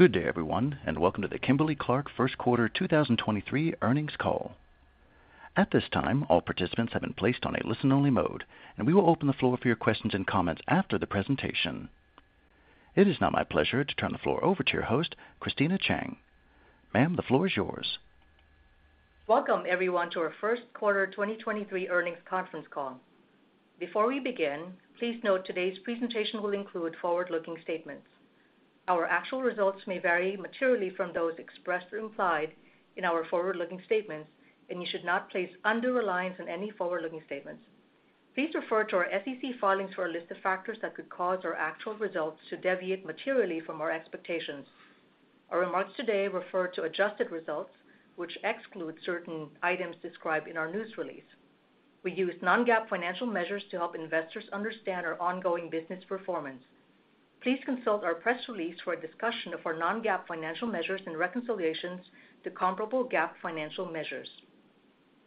Good day, everyone. Welcome to the Kimberly-Clark First Quarter 2023 Earnings Call. At this time, all participants have been placed on a listen-only mode, and we will open the floor for your questions and comments after the presentation. It is now my pleasure to turn the floor over to your host, Christina Cheng. Ma'am, the floor is yours. Welcome, everyone, to our first quarter 2023 earnings conference call. Before we begin, please note today's presentation will include forward-looking statements. Our actual results may vary materially from those expressed or implied in our forward-looking statements, and you should not place undue reliance on any forward-looking statements. Please refer to our SEC filings for a list of factors that could cause our actual results to deviate materially from our expectations. Our remarks today refer to adjusted results, which exclude certain items described in our news release. We use non-GAAP financial measures to help investors understand our ongoing business performance. Please consult our press release for a discussion of our non-GAAP financial measures and reconciliations to comparable GAAP financial measures.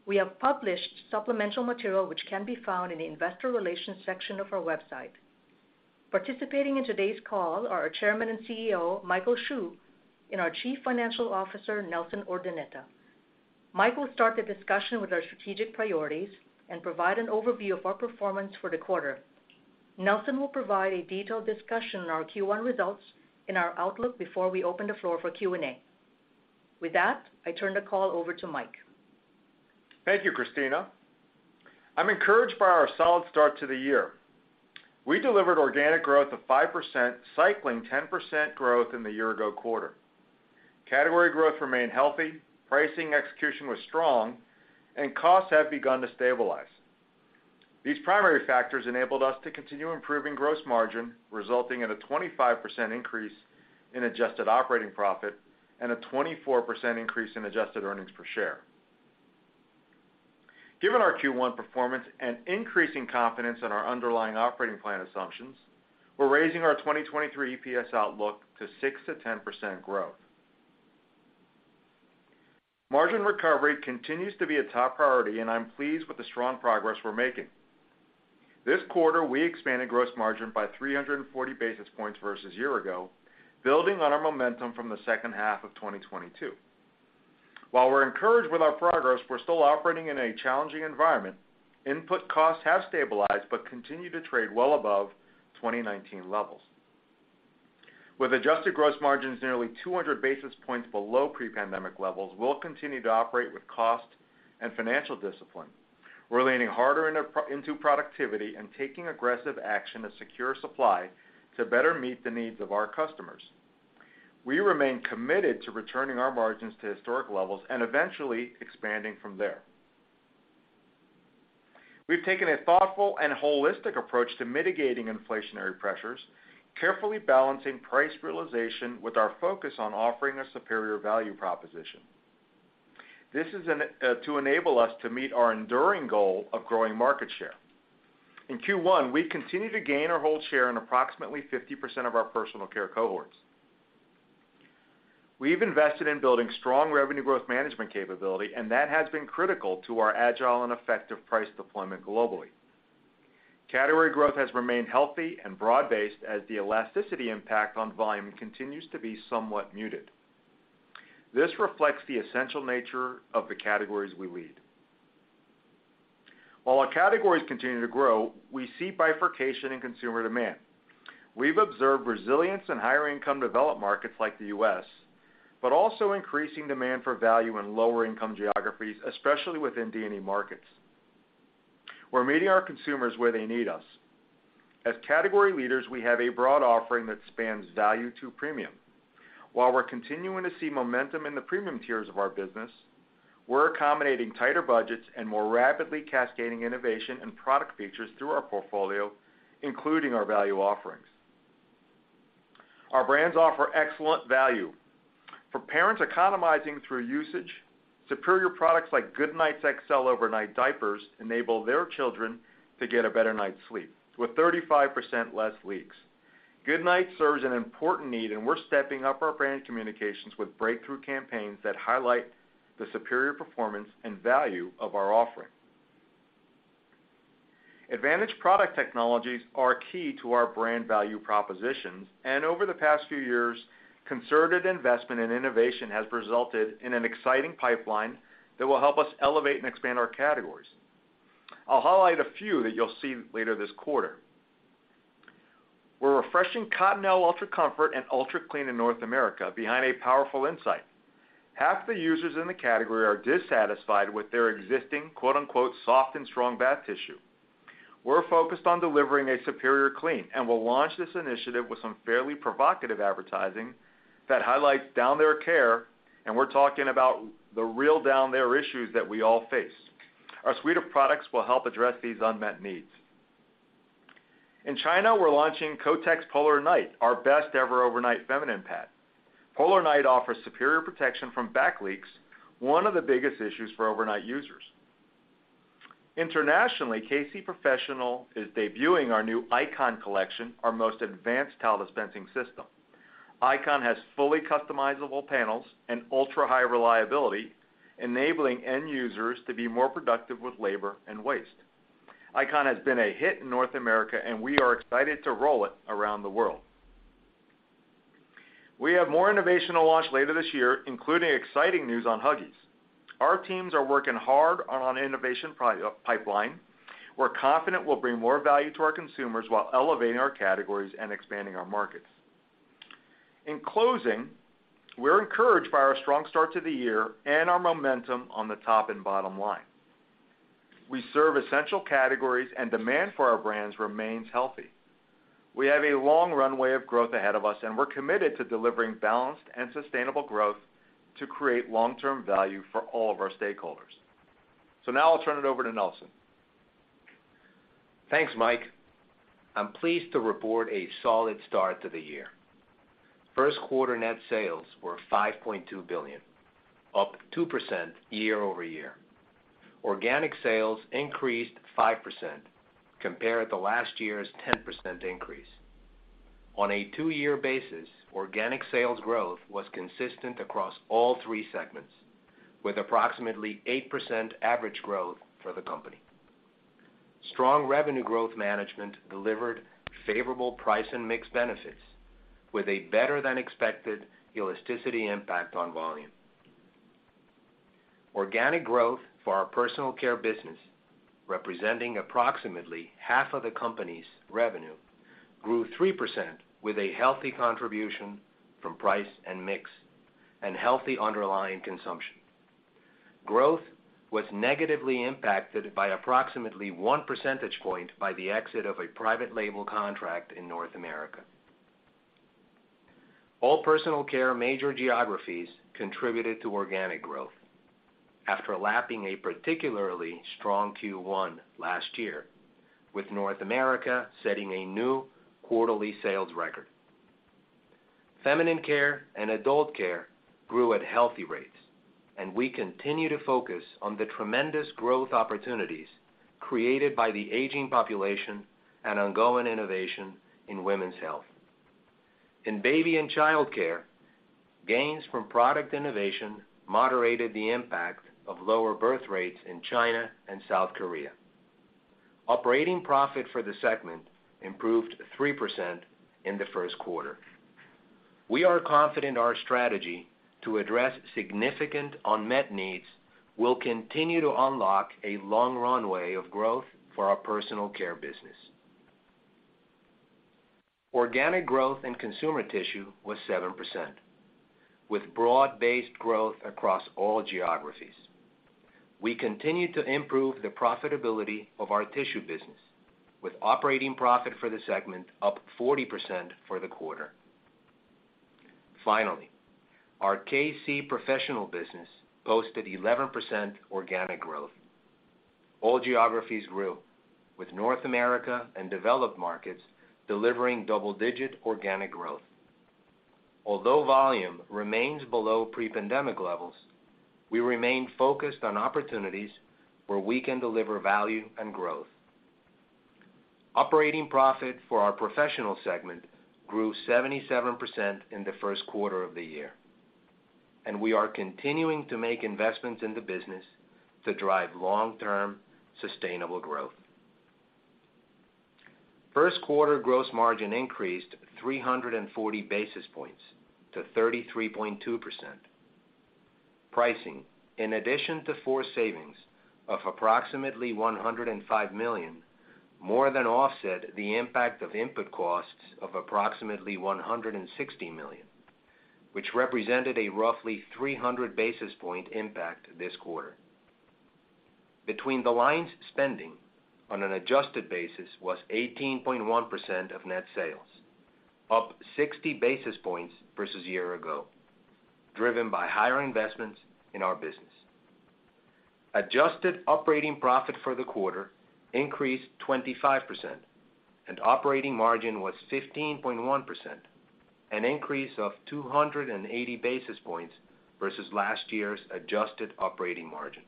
We have published supplemental material which can be found in the Investor Relations section of our website. Participating in today's call are our Chairman and CEO, Michael Hsu, and our Chief Financial Officer, Nelson Urdaneta. Mike will start the discussion with our strategic priorities and provide an overview of our performance for the quarter. Nelson will provide a detailed discussion on our Q1 results and our outlook before we open the floor for Q&A. I turn the call over to Mike. Thank you, Christina. I'm encouraged by our solid start to the year. We delivered organic growth of 5%, cycling 10% growth in the year-ago quarter. Category growth remained healthy, pricing execution was strong. Costs have begun to stabilize. These primary factors enabled us to continue improving gross margin, resulting in a 25% increase in adjusted operating profit and a 24% increase in adjusted earnings per share. Given our Q1 performance and increasing confidence in our underlying operating plan assumptions, we're raising our 2023 EPS outlook to 6%-10% growth. Margin recovery continues to be a top priority. I'm pleased with the strong progress we're making. This quarter, we expanded gross margin by 340 basis points versus year ago, building on our momentum from the second half of 2022. While we're encouraged with our progress, we're still operating in a challenging environment. Input costs have stabilized but continue to trade well above 2019 levels. With adjusted gross margins nearly 200 basis points below pre-pandemic levels, we'll continue to operate with cost and financial discipline. We're leaning harder into productivity and taking aggressive action to secure supply to better meet the needs of our customers. We remain committed to returning our margins to historic levels and eventually expanding from there. We've taken a thoughtful and holistic approach to mitigating inflationary pressures, carefully balancing price realization with our focus on offering a superior value proposition. This is to enable us to meet our enduring goal of growing market share. In Q1, we continued to gain or hold share in approximately 50% of our personal care cohorts. We've invested in building strong revenue growth management capability, and that has been critical to our agile and effective price deployment globally. Category growth has remained healthy and broad-based as the elasticity impact on volume continues to be somewhat muted. This reflects the essential nature of the categories we lead. While our categories continue to grow, we see bifurcation in consumer demand. We've observed resilience in higher-income developed markets like the U.S., but also increasing demand for value in lower-income geographies, especially within D&E markets. We're meeting our consumers where they need us. As category leaders, we have a broad offering that spans value to premium. While we're continuing to see momentum in the premium tiers of our business, we're accommodating tighter budgets and more rapidly cascading innovation and product features through our portfolio, including our value offerings. Our brands offer excellent value. For parents economizing through usage, superior products like Goodnites Nighttime Underwear XL enable their children to get a better night's sleep with 35% less leaks. Goodnites serves an important need, we're stepping up our brand communications with breakthrough campaigns that highlight the superior performance and value of our offering. Advantage product technologies are key to our brand value propositions, over the past few years, concerted investment in innovation has resulted in an exciting pipeline that will help us elevate and expand our categories. I'll highlight a few that you'll see later this quarter. We're refreshing Cottonelle Ultra Comfort and Ultra Clean in North America behind a powerful insight. Half the users in the category are dissatisfied with their existing, quote, unquote, "soft and strong" bath tissue. We're focused on delivering a superior clean. We'll launch this initiative with some fairly provocative advertising that highlights down-there care, and we're talking about the real down-there issues that we all face. Our suite of products will help address these unmet needs. In China, we're launching Kotex Extreme Night, our best-ever overnight feminine pad. Extreme Night offers superior protection from back leaks, one of the biggest issues for overnight users. Internationally, Kimberly-Clark Professional is debuting our new Icon collection, our most advanced towel dispensing system. Icon has fully customizable panels and ultra-high reliability, enabling end users to be more productive with labor and waste. Icon has been a hit in North America. We are excited to roll it around the world. We have more innovation to launch later this year, including exciting news on Huggies. Our teams are working hard on an innovation pipeline. We're confident we'll bring more value to our consumers while elevating our categories and expanding our markets. In closing, we're encouraged by our strong start to the year and our momentum on the top and bottom line. We serve essential categories and demand for our brands remains healthy. We have a long runway of growth ahead of us, and we're committed to delivering balanced and sustainable growth to create long-term value for all of our stakeholders. Now I'll turn it over to Nelson. Thanks, Mike. I'm pleased to report a solid start to the year. First quarter net sales were $5.2 billion, up 2% year-over-year. Organic sales increased 5% compared to last year's 10% increase. On a two-year basis, organic sales growth was consistent across all three segments, with approximately 8% average growth for the company. Strong revenue growth management delivered favorable price and mix benefits with a better-than-expected elasticity impact on volume. Organic growth for our personal care business, representing approximately half of the company's revenue, grew 3% with a healthy contribution from price and mix and healthy underlying consumption. Growth was negatively impacted by approximately 1 percentage point by the exit of a private label contract in North America. All personal care major geographies contributed to organic growth after lapping a particularly strong Q1 last year, with North America setting a new quarterly sales record. Feminine care and adult care grew at healthy rates. We continue to focus on the tremendous growth opportunities created by the aging population and ongoing innovation in women's health. In baby and childcare, gains from product innovation moderated the impact of lower birth rates in China and South Korea. Operating profit for the segment improved 3% in the first quarter. We are confident our strategy to address significant unmet needs will continue to unlock a long runway of growth for our personal care business. Organic growth in consumer tissue was 7%, with broad-based growth across all geographies. We continue to improve the profitability of our tissue business with operating profit for the segment up 40% for the quarter. Finally, our Kimberly-Clark Professional business posted 11% organic growth. All geographies grew, with North America and developed markets delivering double-digit organic growth. Although volume remains below pre-pandemic levels, we remain focused on opportunities where we can deliver value and growth. Operating profit for our professional segment grew 77% in the first quarter of the year, and we are continuing to make investments in the business to drive long-term sustainable growth. First quarter gross margin increased 340 basis points to 33.2%. Pricing, in addition to FORCE savings of approximately $105 million, more than offset the impact of input costs of approximately $160 million, which represented a roughly 300 basis point impact this quarter. Between the lines spending on an adjusted basis was 18.1% of net sales, up 60 basis points versus a year ago, driven by higher investments in our business. Adjusted operating profit for the quarter increased 25%, and operating margin was 15.1%, an increase of 280 basis points versus last year's adjusted operating margin.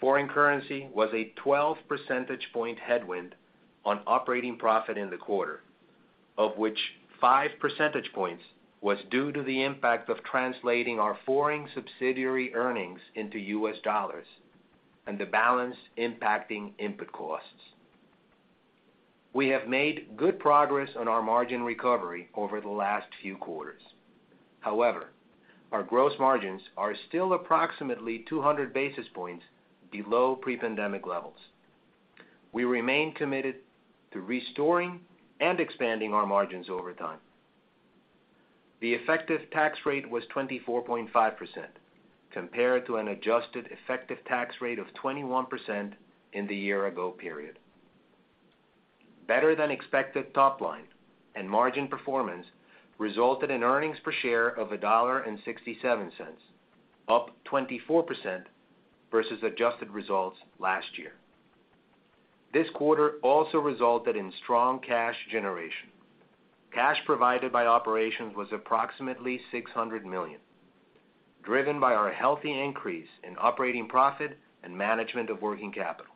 Foreign currency was a 12 percentage point headwind on operating profit in the quarter, of which 5 percentage points was due to the impact of translating our foreign subsidiary earnings into US dollars and the balance impacting input costs. We have made good progress on our margin recovery over the last few quarters. However, our gross margins are still approximately 200 basis points below pre-pandemic levels. We remain committed to restoring and expanding our margins over time. The effective tax rate was 24.5% compared to an adjusted effective tax rate of 21% in the year-ago period. Better than expected top line and margin performance resulted in earnings per share of $1.67, up 24% versus adjusted results last year. This quarter also resulted in strong cash generation. Cash provided by operations was approximately $600 million, driven by our healthy increase in operating profit and management of working capital.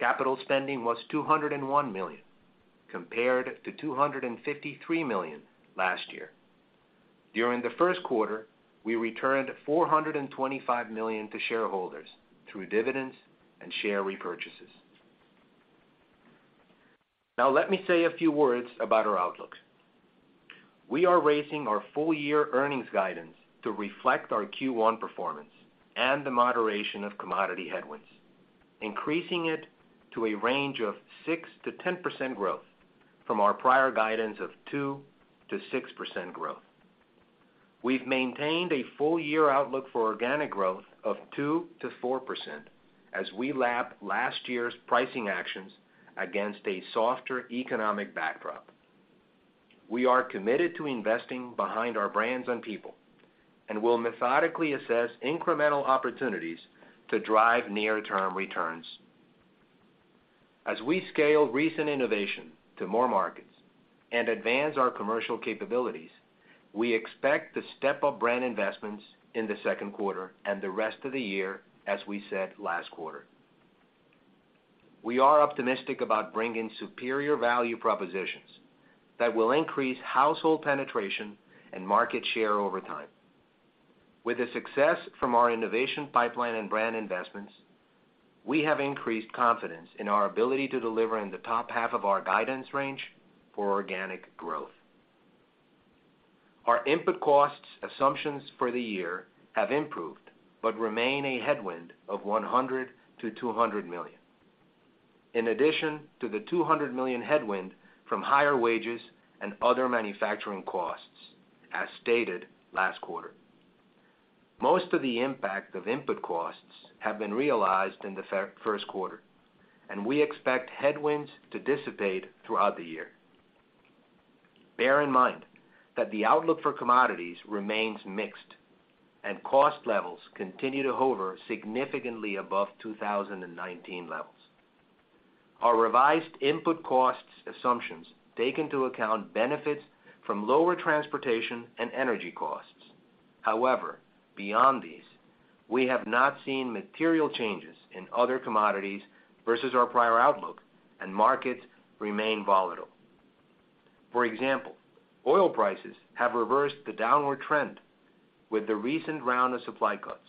Capital spending was $201 million, compared to $253 million last year. During the first quarter, we returned $425 million to shareholders through dividends and share repurchases. Now let me say a few words about our outlook. We are raising our full year earnings guidance to reflect our Q1 performance and the moderation of commodity headwinds, increasing it to a range of 6%-10% growth from our prior guidance of 2%-6% growth. We've maintained a full year outlook for organic growth of 2%-4% as we lap last year's pricing actions against a softer economic backdrop. We are committed to investing behind our brands and people. We'll methodically assess incremental opportunities to drive near-term returns. As we scale recent innovation to more markets and advance our commercial capabilities, we expect to step up brand investments in the second quarter and the rest of the year, as we said last quarter. We are optimistic about bringing superior value propositions that will increase household penetration and market share over time. With the success from our innovation pipeline and brand investments, we have increased confidence in our ability to deliver in the top half of our guidance range for organic growth. Our input costs assumptions for the year have improved, but remain a headwind of $100 million-$200 million. In addition to the $200 million headwind from higher wages and other manufacturing costs, as stated last quarter. Most of the impact of input costs have been realized in the first quarter, and we expect headwinds to dissipate throughout the year. Bear in mind that the outlook for commodities remains mixed, and cost levels continue to hover significantly above 2019 levels. Our revised input costs assumptions take into account benefits from lower transportation and energy costs. However, beyond these, we have not seen material changes in other commodities versus our prior outlook, and markets remain volatile. For example, oil prices have reversed the downward trend with the recent round of supply cuts,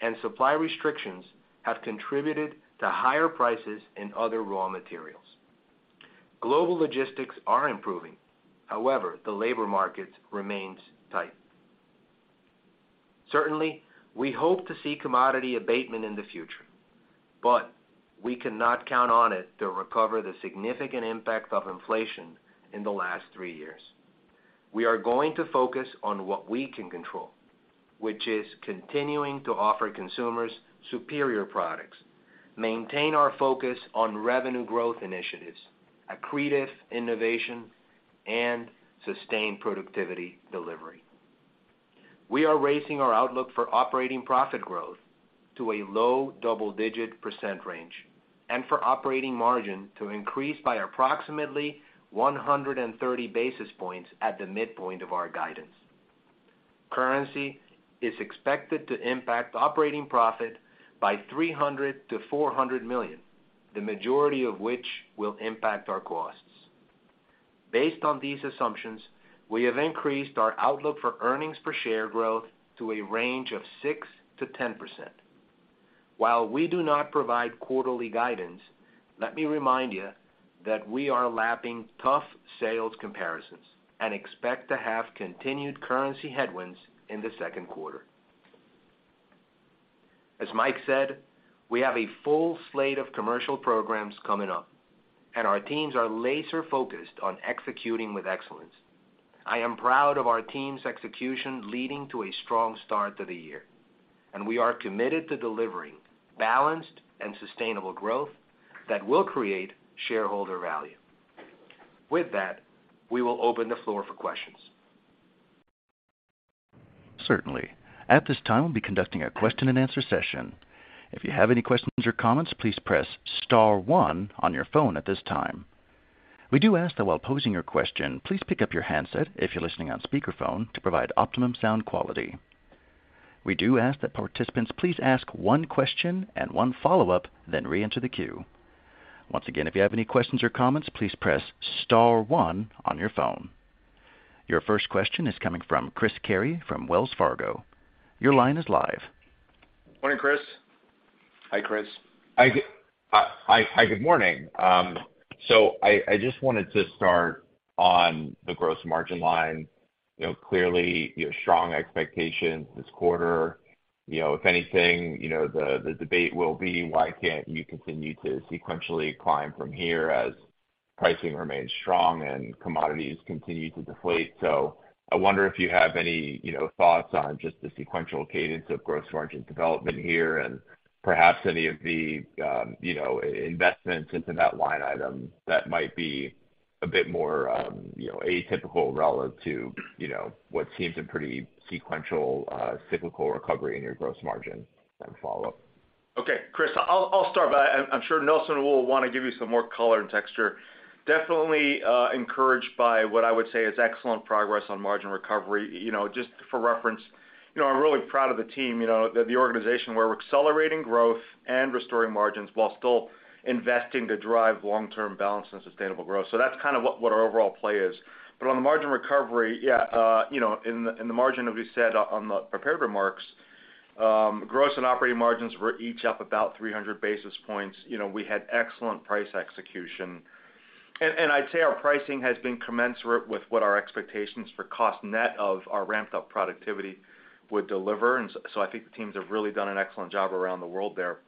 and supply restrictions have contributed to higher prices in other raw materials. Global logistics are improving. However, the labor market remains tight. Certainly, we hope to see commodity abatement in the future, but we cannot count on it to recover the significant impact of inflation in the last 3 years. We are going to focus on what we can control, which is continuing to offer consumers superior products, maintain our focus on revenue growth initiatives, accretive innovation, and sustained productivity delivery. We are raising our outlook for operating profit growth to a low double-digit % range and for operating margin to increase by approximately 130 basis points at the midpoint of our guidance. Currency is expected to impact operating profit by $300 million-$400 million, the majority of which will impact our costs. Based on these assumptions, we have increased our outlook for EPS growth to a range of 6%-10%. While we do not provide quarterly guidance, let me remind you that we are lapping tough sales comparisons and expect to have continued currency headwinds in Q2. As Mike said, we have a full slate of commercial programs coming up, and our teams are laser-focused on executing with excellence. I am proud of our team's execution leading to a strong start to the year, and we are committed to delivering balanced and sustainable growth that will create shareholder value. With that, we will open the floor for questions. Certainly. At this time, we'll be conducting a question-and-answer session. If you have any questions or comments, please press star one on your phone at this time. We do ask that while posing your question, please pick up your handset if you're listening on speakerphone to provide optimum sound quality. We do ask that participants please ask one question and one follow-up, then reenter the queue. Once again, if you have any questions or comments, please press star one on your phone. Your first question is coming from Chris Carey from Wells Fargo. Your line is live. Morning, Chris. Hi, Chris. Hi, hi, good morning. So I just wanted to start on the gross margin line. You know, clearly, you have strong expectations this quarter. You know, if anything the debate will be why can't you continue to sequentially climb from here as pricing remains strong and commodities continue to deflate. I wonder if you have any thoughts on just the sequential cadence of gross margin development here and perhaps any of the investments into that line item that might be a bit more atypical relative to what seems a pretty sequential, cyclical recovery in your gross margin, then follow up. Okay, Chris, I'll start, but I'm sure Nelson will wanna give you some more color and texture. Definitely, encouraged by what I would say is excellent progress on margin recovery. You know, just for reference I'm really proud of the team the organization. We're accelerating growth and restoring margins while still investing to drive long-term balance and sustainable growth. So that's kind of what our overall play is. On the margin recovery, yeah in the margin, as we said on the prepared remarks. Gross and operating margins were each up about 300 basis points. You know, we had excellent price execution. I'd say our pricing has been commensurate with what our expectations for cost net of our ramped-up productivity would deliver. So I think the teams have really done an excellent job around the world there.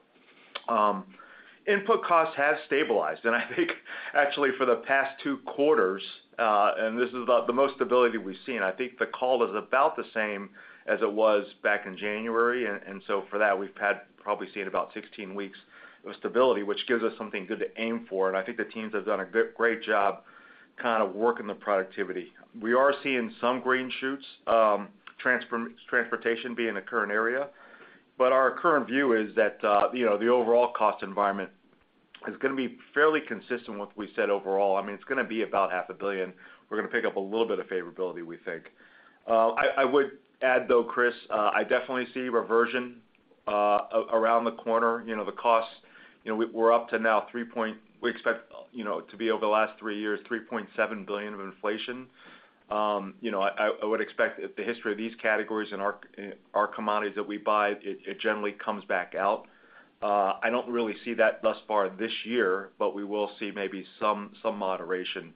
Input costs have stabilized. I think actually for the past 2 quarters, and this is the most stability we've seen, I think the call is about the same as it was back in January. So for that, we've had probably seen about 16 weeks of stability, which gives us something good to aim for. I think the teams have done a great job kind of working the productivity. We are seeing some green shoots, transportation being the current area. Our current view is that the overall cost environment is gonna be fairly consistent with what we said overall. I mean, it's gonna be about half a billion. We're gonna pick up a little bit of favorability, we think. I would add though, Chris, I definitely see reversion, around the corner. You know, the costs We expect to be over the last three years, $3.7 billion of inflation. You know, I would expect if the history of these categories and our, and our commodities that we buy, it generally comes back out. I don't really see that thus far this year, but we will see maybe some moderation,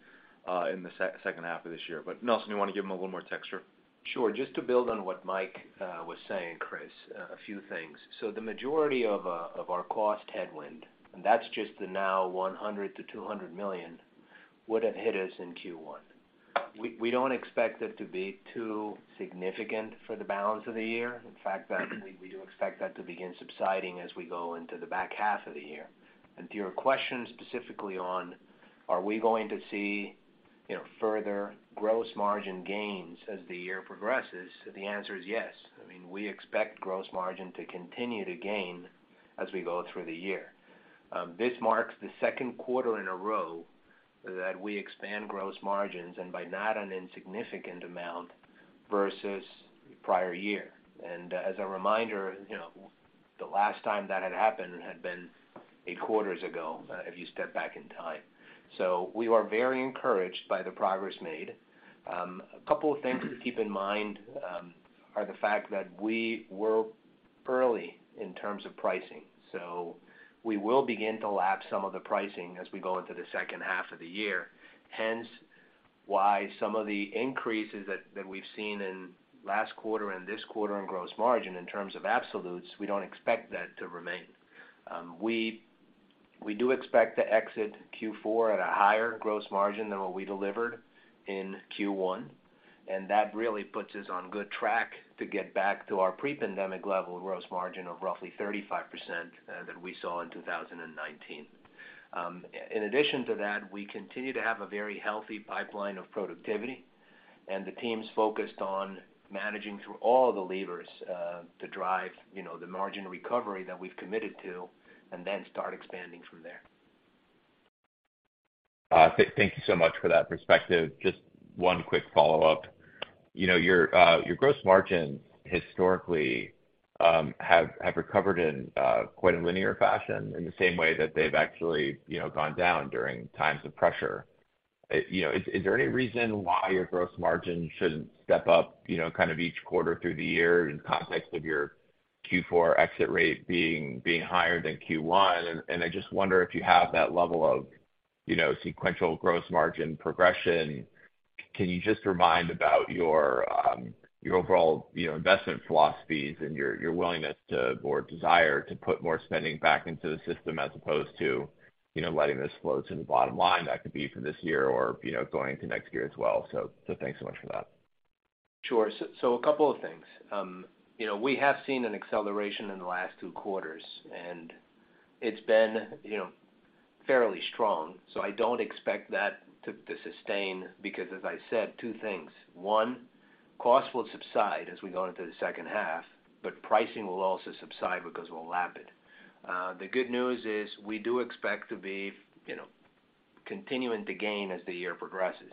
in the second half of this year. Nelson, you wanna give them a little more texture? Sure. Just to build on what Mike was saying, Chris, a few things. The majority of our cost headwind, and that's just the now $100 million-$200 million, would have hit us in Q1. We don't expect it to be too significant for the balance of the year. In fact, that we do expect that to begin subsiding as we go into the back half of the year. To your question specifically on, are we going to see further gross margin gains as the year progresses? The answer is yes. I mean, we expect gross margin to continue to gain as we go through the year. This marks the second quarter in a row that we expand gross margins, and by not an insignificant amount versus prior year. As a reminder the last time that had happened had been 8 quarters ago, if you step back in time. We are very encouraged by the progress made. A couple of things to keep in mind are the fact that we were early in terms of pricing, so we will begin to lap some of the pricing as we go into the second half of the year. Hence, why some of the increases that we've seen in last quarter and this quarter on gross margin in terms of absolutes, we don't expect that to remain. We do expect to exit Q4 at a higher gross margin than what we delivered in Q1, and that really puts us on good track to get back to our pre-pandemic level gross margin of roughly 35%, that we saw in 2019. In addition to that, we continue to have a very healthy pipeline of productivity, and the team's focused on managing through all the levers, to drive the margin recovery that we've committed to, and then start expanding from there. Thank you so much for that perspective. Just one quick follow-up. You know, your gross margins historically have recovered in quite a linear fashion in the same way that they've actually gone down during times of pressure. You know, is there any reason why your gross margin shouldn't step up kind of each quarter through the year in context of your Q4 exit rate being higher than Q1? I just wonder if you have that level of sequential gross margin progression. Can you just remind about your overall investment philosophies and your willingness to, or desire to put more spending back into the system as opposed to letting this flow to the bottom line? That could be for this year or going into next year as well. Thanks so much for that. Sure. A couple of things. you know, we have seen an acceleration in the last 2 quarters, and it's been fairly strong, so I don't expect that to sustain because as I said, 2 things. One, costs will subside as we go into the second half, but pricing will also subside because we'll lap it. The good news is we do expect to be continuing to gain as the year progresses.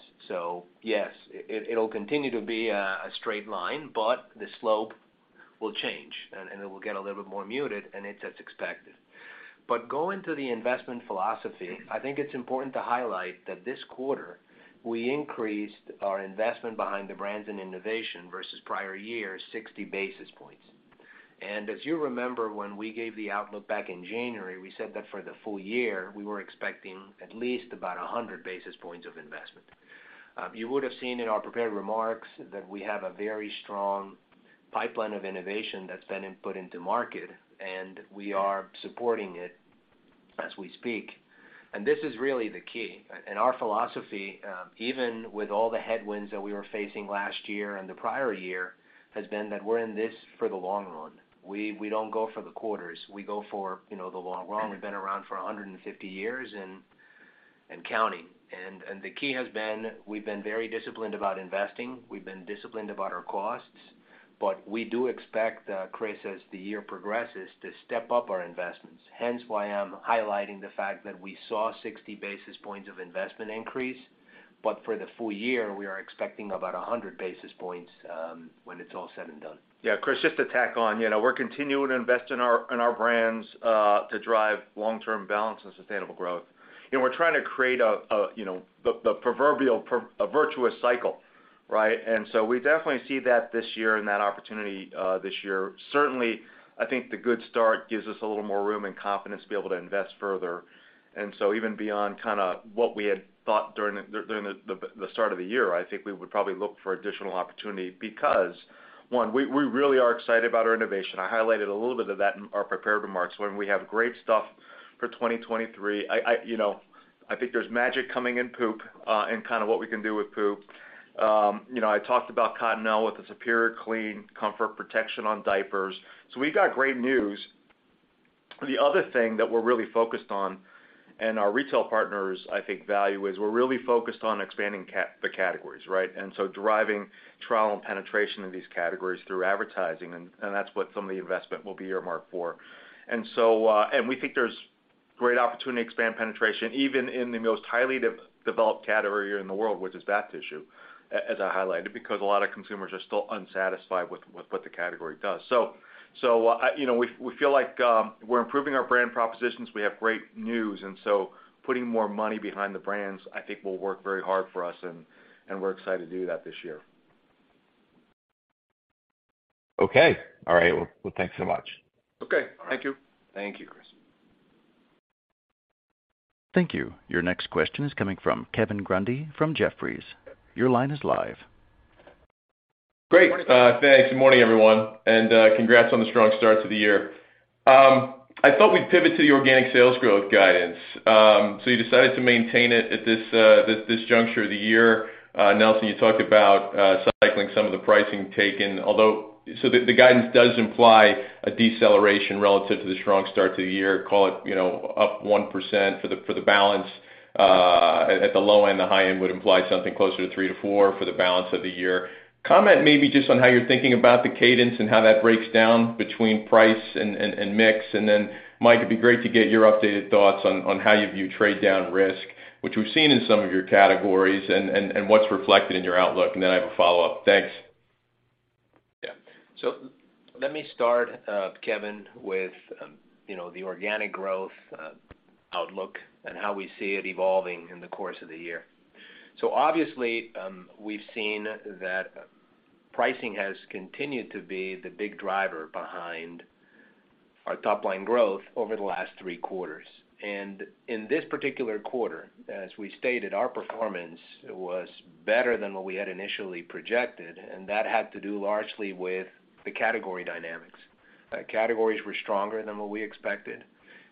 Yes, it'll continue to be a straight line, but the slope will change and it will get a little bit more muted, and it's as expected. Going to the investment philosophy, I think it's important to highlight that this quarter, we increased our investment behind the brands and innovation versus prior year 60 basis points. As you remember, when we gave the outlook back in January, we said that for the full year, we were expecting at least about 100 basis points of investment. You would have seen in our prepared remarks that we have a very strong pipeline of innovation that's been input into market, and we are supporting it as we speak. This is really the key. Our philosophy, even with all the headwinds that we were facing last year and the prior year, has been that we're in this for the long run. We don't go for the quarters. We go for the long run. We've been around for 150 years and counting. The key has been we've been very disciplined about investing. We've been disciplined about our costs. We do expect, Chris, as the year progresses, to step up our investments. Hence why I'm highlighting the fact that we saw 60 basis points of investment increase. For the full year, we are expecting about 100 basis points when it's all said and done. Yeah, Chris, just to tack on we're continuing to invest in our, in our brands, to drive long-term balance and sustainable growth. You know, we're trying to create a virtuous cycle, right? We definitely see that this year and that opportunity this year. Certainly, I think the good start gives us a little more room and confidence to be able to invest further. Even beyond kinda what we had thought during the start of the year, I think we would probably look for additional opportunity because, one, we really are excited about our innovation. I highlighted a little bit of that in our prepared remarks, when we have great stuff for 2023. You know, I think there's magic coming in poop, and kinda what we can do with poop. You know, I talked about Cottonelle with the superior clean comfort protection on diapers. We've got great news. The other thing that we're really focused on, and our retail partners, I think, value is, we're really focused on expanding the categories, right? Driving trial and penetration in these categories through advertising, that's what some of the investment will be earmarked for. We think there's great opportunity to expand penetration, even in the most highly developed category in the world, which is bath tissue, as I highlighted, because a lot of consumers are still unsatisfied with what the category does. You know, we feel like we're improving our brand propositions. We have great news. Putting more money behind the brands, I think, will work very hard for us, and we're excited to do that this year. Okay. All right. Well, thanks so much. Okay. Thank you. Thank you, Chris. Thank you. Your next question is coming from Kevin Grundy from Jefferies. Your line is live. Great. Thanks. Good morning, everyone, and congrats on the strong start to the year. I thought we'd pivot to the organic sales growth guidance. You decided to maintain it at this juncture of the year. Nelson, you talked about cycling some of the pricing taken. The guidance does imply a deceleration relative to the strong start to the year, call it up 1% for the balance, at the low end. The high end would imply something closer to 3-4% for the balance of the year. Comment maybe just on how you're thinking about the cadence and how that breaks down between price and mix. Mike, it'd be great to get your updated thoughts on how you view trade-down risk, which we've seen in some of your categories, and what's reflected in your outlook. I have a follow-up. Thanks. Yeah. Let me start, Kevin, with the organic growth, outlook and how we see it evolving in the course of the year. Obviously, we've seen that pricing has continued to be the big driver behind our top line growth over the last three quarters. In this particular quarter, as we stated, our performance was better than what we had initially projected, and that had to do largely with the category dynamics. Categories were stronger than what we expected,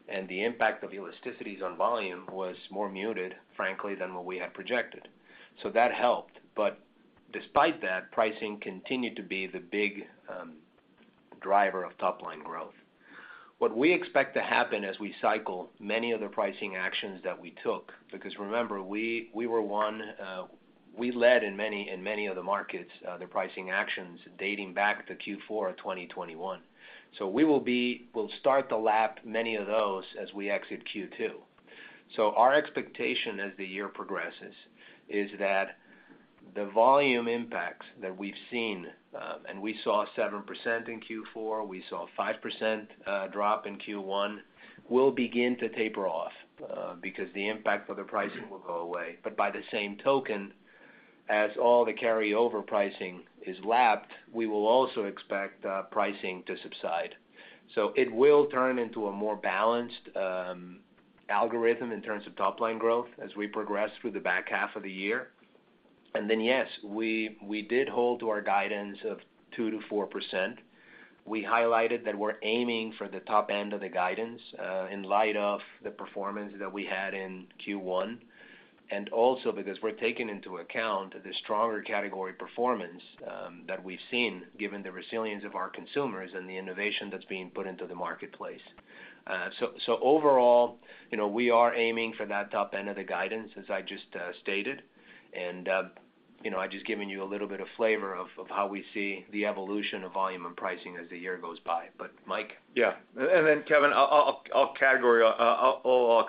and the impact of elasticities on volume was more muted, frankly, than what we had projected. That helped. Despite that, pricing continued to be the big driver of top line growth. What we expect to happen as we cycle many of the pricing actions that we took, because remember, we were one, we led in many of the markets, the pricing actions dating back to Q4 of 2021. We'll start to lap many of those as we exit Q2. Our expectation as the year progresses is that the volume impacts that we've seen, and we saw 7% in Q4, we saw 5% drop in Q1, will begin to taper off, because the impact of the pricing will go away. By the same token, as all the carryover pricing is lapped, we will also expect pricing to subside. It will turn into a more balanced algorithm in terms of top line growth as we progress through the back half of the year. Yes, we did hold to our guidance of 2%-4%. We highlighted that we're aiming for the top end of the guidance, in light of the performance that we had in Q1, and also because we're taking into account the stronger category performance, that we've seen given the resilience of our consumers and the innovation that's being put into the marketplace. overall we are aiming for that top end of the guidance, as I just stated. You know, I've just given you a little bit of flavor of how we see the evolution of volume and pricing as the year goes by. Mike? Yeah. Kevin, I'll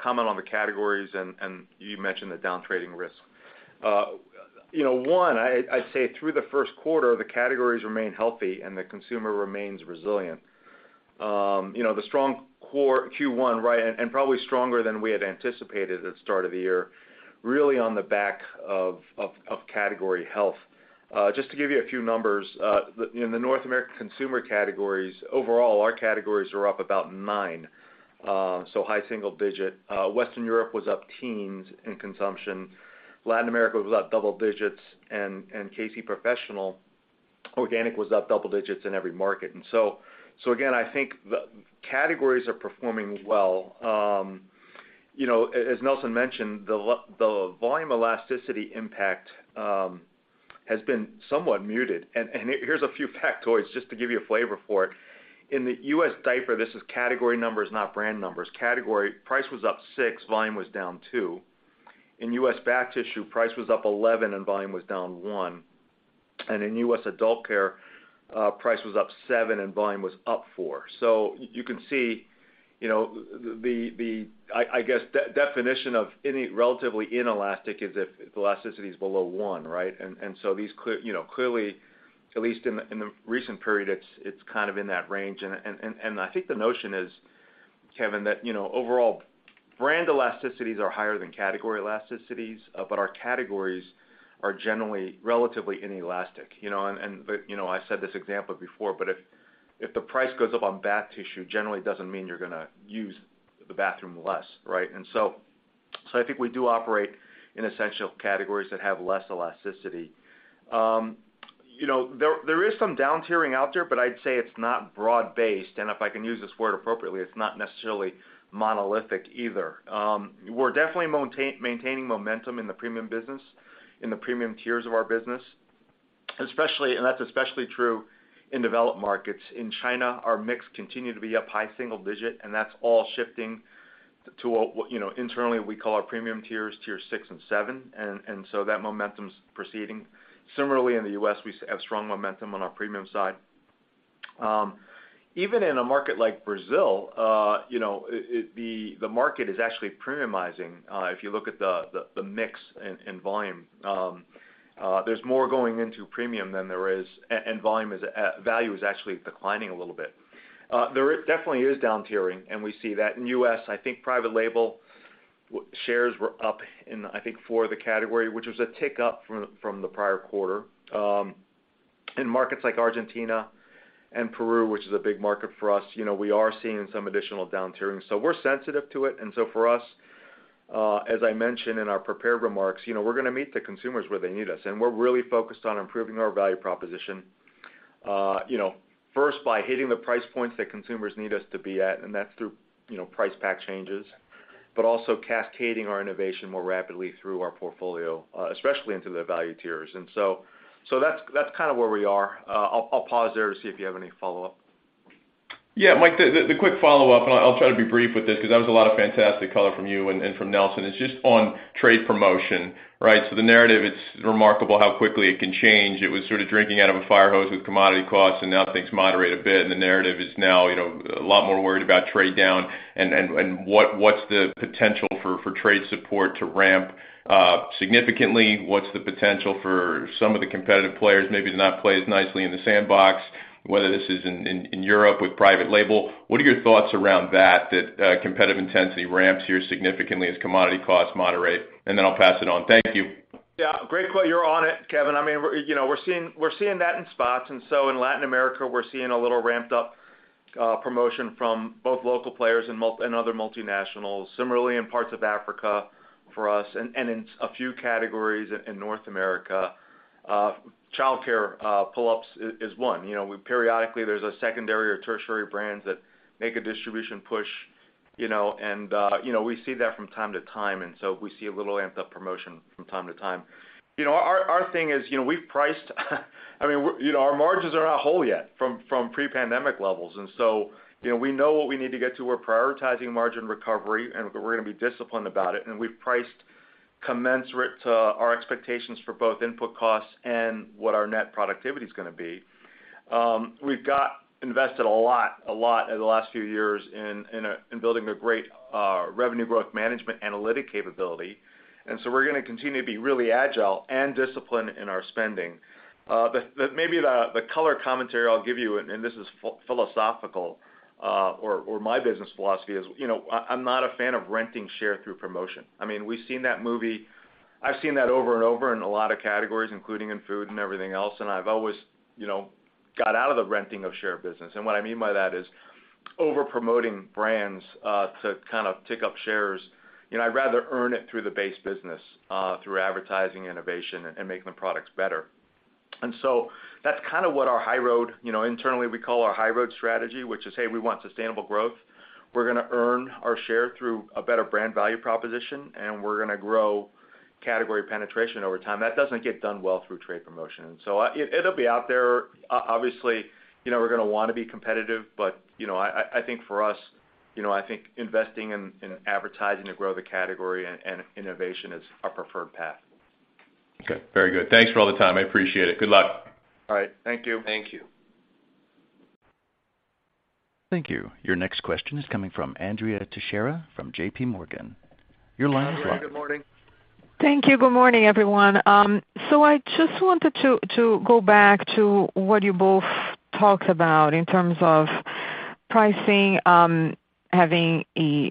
comment on the categories, and you mentioned the down-trading risk. You know, one, I'd say through the first quarter, the categories remain healthy and the consumer remains resilient. You know, the strong core Q1, right, and probably stronger than we had anticipated at the start of the year, really on the back of category health. Just to give you a few numbers the North American consumer categories, overall, our categories are up about 9, so high single digit. Western Europe was up teens in consumption. Latin America was up double digits, and K-C Professional, organic was up double digits in every market. Again, I think the categories are performing well. You know, as Nelson mentioned, the volume elasticity impact has been somewhat muted. Here's a few factoids just to give you a flavor for it. In the U.S. diaper, this is category numbers, not brand numbers. Category price was up 6%, volume was down 2%. In U.S. bath tissue, price was up 11% and volume was down 1%. In U.S. adult care, price was up 7% and volume was up 4%. You can see the definition of any relatively inelastic is if elasticity is below 1, right? These clearly at least in the recent period, it's kind of in that range. I think the notion is Kevin, that overall brand elasticities are higher than category elasticities, but our categories are generally relatively inelastic but I said this example before, but if the price goes up on bath tissue, generally doesn't mean you're gonna use the bathroom less, right? I think we do operate in essential categories that have less elasticity. You know, there is some downtiering out there, but I'd say it's not broad-based, and if I can use this word appropriately, it's not necessarily monolithic either. We're definitely maintaining momentum in the premium business, in the premium tiers of our business, that's especially true in developed markets. In China, our mix continued to be up high single-digit, and that's all shifting to what internally we call our premium tiers, tier 6 and 7. That momentum's proceeding. Similarly, in the U.S., we have strong momentum on our premium side. Even in a market like Brazil the market is actually premiumizing, if you look at the mix and volume. There's more going into premium than there is. And volume is, value is actually declining a little bit. There is definitely downtiering, and we see that. In the U.S., I think private label shares were up in, I think, four of the category, which was a tick up from the prior quarter. In markets like Argentina and Peru, which is a big market for us we are seeing some additional downtiering. We're sensitive to it. For us, as I mentioned in our prepared remarks we're gonna meet the consumers where they need us, and we're really focused on improving our value proposition first by hitting the price points that consumers need us to be at, and that's through price pack changes, but also cascading our innovation more rapidly through our portfolio, especially into the value tiers. That's kind of where we are. I'll pause there to see if you have any follow-up. Yeah, Mike, the quick follow-up, and I'll try to be brief with this 'cause that was a lot of fantastic color from you and from Nelson. It's just on trade promotion, right? The narrative, it's remarkable how quickly it can change. It was sort of drinking out of a fire hose with commodity costs, and now things moderate a bit, and the narrative is now a lot more worried about trade down and what's the potential for trade support to ramp significantly? What's the potential for some of the competitive players maybe to not play as nicely in the sandbox, whether this is in Europe with private label? What are your thoughts around that competitive intensity ramps here significantly as commodity costs moderate? I'll pass it on. Thank you. Yeah. Great, you're on it, Kevin. I mean, we're we're seeing that in spots. In Latin America, we're seeing a little ramped-up promotion from both local players and other multinationals. Similarly, in parts of Africa for us and in a few categories in North America, childcare, Pull-Ups is one. You know, we periodically, there's a secondary or tertiary brands that make a distribution push and we see that from time to time, we see a little ramped-up promotion from time to time. You know, our thing is we've priced. I mean our margins are not whole yet from pre-pandemic levels. You know, we know what we need to get to. We're prioritizing margin recovery, and we're gonna be disciplined about it. We've priced commensurate to our expectations for both input costs and what our net productivity is gonna be. We've got invested a lot in the last few years in building a great revenue growth management analytic capability. So we're gonna continue to be really agile and disciplined in our spending. The maybe the color commentary I'll give you, and this is philosophical, or my business philosophy is I'm not a fan of renting share through promotion. I mean, we've seen that movie. I've seen that over and over in a lot of categories, including in food and everything else, and I've always got out of the renting of share business. What I mean by that is over-promoting brands to kind of tick up shares. You know, I'd rather earn it through the base business, through advertising innovation and making the products better. That's kind of what our high road internally, we call our high road strategy, which is, hey, we want sustainable growth. We're gonna earn our share through a better brand value proposition, and we're gonna grow category penetration over time. That doesn't get done well through trade promotion. It'll be out there. obviously we're gonna wanna be competitive, but I think for us I think investing in advertising to grow the category and innovation is our preferred path. Okay. Very good. Thanks for all the time. I appreciate it. Good luck. All right. Thank you. Thank you. Thank you. Your next question is coming from Andrea Teixeira from JPMorgan. Your line's open. Andrea, good morning. Thank you. Good morning, everyone. I just wanted to go back to what you both talked about in terms of pricing, having,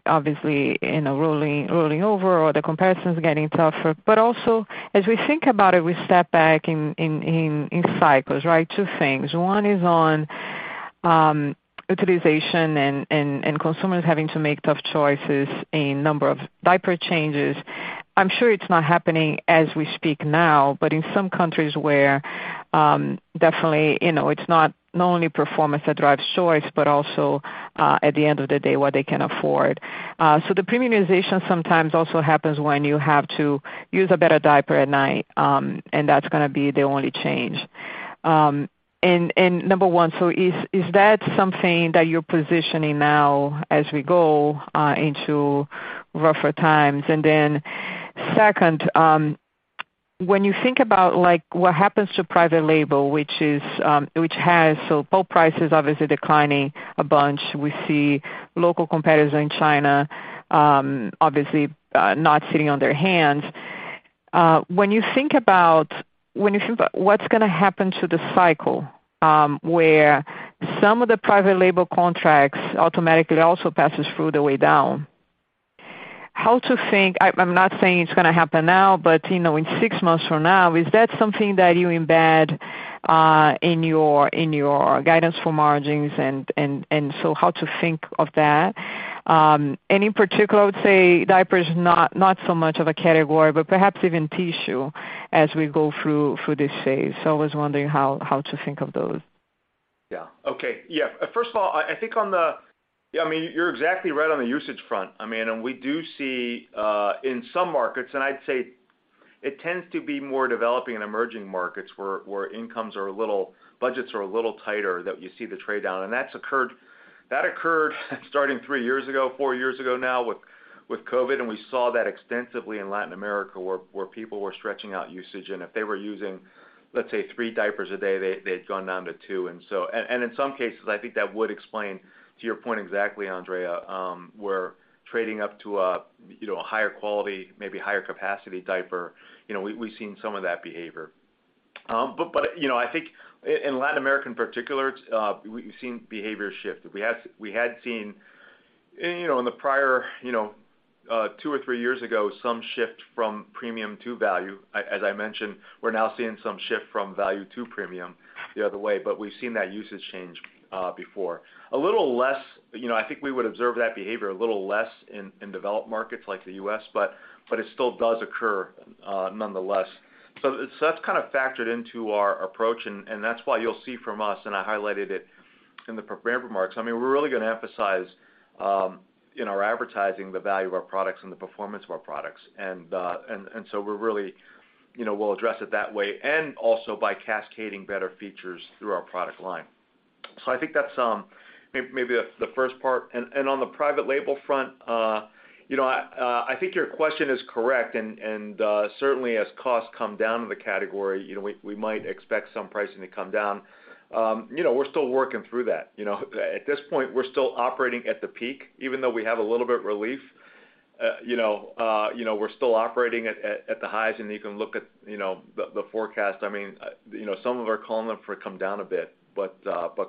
obviously rolling over or the comparisons getting tougher, but also, as we think about it, we step back in cycles, right? Two things. One is on utilization and consumers having to make tough choices in number of diaper changes. I'm sure it's not happening as we speak now, but in some countries where, definitely it's not only performance that drives choice, but also, at the end of the day, what they can afford. The premiumization sometimes also happens when you have to use a better diaper at night, and that's gonna be the only change. Number one, is that something that you're positioning now as we go into rougher times? Second, when you think about, like, what happens to private label, which is, pulp price is obviously declining a bunch. We see local competitors in China, obviously, not sitting on their hands. When you think about what's gonna happen to the cycle, where some of the private label contracts automatically also passes through the way down, how to think... I'm not saying it's gonna happen now, but in 6 months from now, is that something that you embed in your guidance for margins? How to think of that. In particular, I would say diaper is not so much of a category, but perhaps even tissue as we go through this phase. I was wondering how to think of those. Yeah. Okay. Yeah. First of all, I think on the. I mean, you're exactly right on the usage front. I mean, and we do see in some markets, and I'd say it tends to be more Developing in Emerging Markets where incomes are a little, budgets are a little tighter, that you see the trade down, and that's occurred, that occurred starting three years ago, four years ago now with COVID, and we saw that extensively in Latin America, where people were stretching out usage. If they were using, let's say, three diapers a day, they had gone down to two. In some cases, I think that would explain, to your point exactly, Andrea, where trading up to a higher quality, maybe higher capacity diaper. You know, We've seen some of that behavior. You know, I think in Latin America, in particular, we've seen behavior shift. We had seen in the prior two or three years ago, some shift from premium to value. As I mentioned, we're now seeing some shift from value to premium the other way, but we've seen that usage change before. A little less I think we would observe that behavior a little less in developed markets like the US, but it still does occur nonetheless. That's kind of factored into our approach and that's why you'll see from us, and I highlighted it in the prepared remarks, I mean, we're really gonna emphasize in our advertising, the value of our products and the performance of our products. We're really we'll address it that way and also by cascading better features through our product line. I think that's maybe that's the first part. On the private label front I think your question is correct, and certainly as costs come down in the category we might expect some pricing to come down. You know, we're still working through that, you know? At this point, we're still operating at the peak. Even though we have a little bit relief we're still operating at the highs, and you can look at the forecast. I mean some of our column have come down a bit, but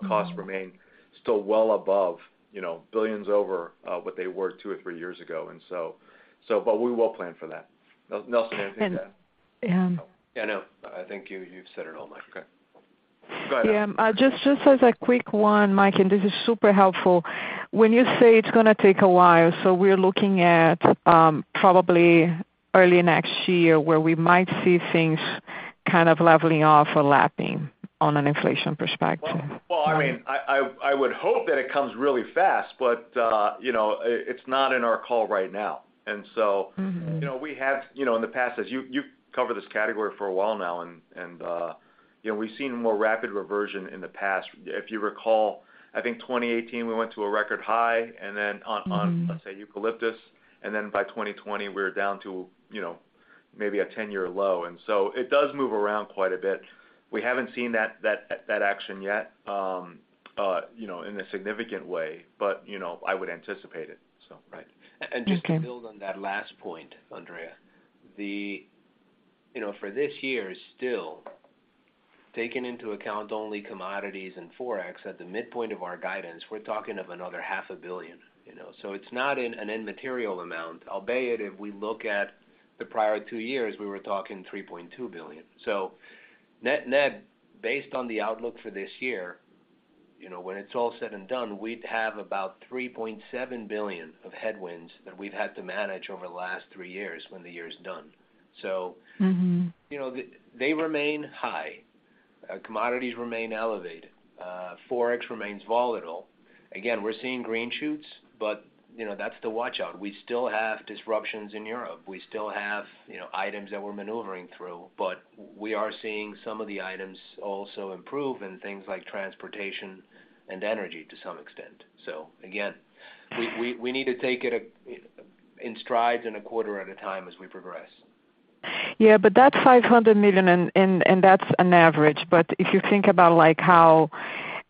costs remain still well above $ billions over what they were 2 or 3 years ago. We will plan for that. Nelson, anything to add? And, um- Yeah, no, I think you've said it all, Mike. Okay. Go ahead. Yeah. Just as a quick one, Mike, this is super helpful. When you say it's gonna take a while, we're looking at, probably early next year where we might see things kind of leveling off or lapping on an inflation perspective. Well, I mean, I would hope that it comes really fast, but you know, it's not in our call right now. Mm-hmm. You know, we have in the past, as you've covered this category for a while now and we've seen more rapid reversion in the past. If you recall, I think 2018, we went to a record high, and then on. Mm-hmm. Let's say Eucalyptus, then by 2020, we were down to maybe a 10-year low. It does move around quite a bit. We haven't seen that action yet in a significant way, but I would anticipate it. Right. Just to build on that last point, Andrea Teixeira. You know, for this year, still, taking into account only commodities and Forex at the midpoint of our guidance, we're talking of another half a billion, you know. It's not an immaterial amount. Albeit, if we look at the prior two years, we were talking $3.2 billion. Net net, based on the outlook for this year when it's all said and done, we'd have about $3.7 billion of headwinds that we've had to manage over the last three years when the year is done. You know, they remain high. Commodities remain elevated. Forex remains volatile. Again, we're seeing green shoots, but that's the watch-out. We still have disruptions in Europe. We still have items that we're maneuvering through, but we are seeing some of the items also improve in things like transportation and energy to some extent. Again, we need to take it in strides and a quarter at a time as we progress. Yeah, that's $500 million and that's an average. If you think about like how